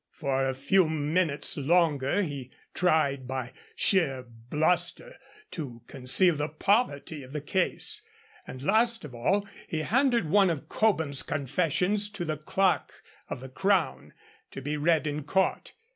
For a few minutes longer he tried by sheer bluster to conceal the poverty of the case, and last of all he handed one of Cobham's confessions to the Clerk of the Crown to be read in court.